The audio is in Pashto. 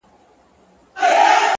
پرمختګ د ځان ارزونې ته اړتیا لري.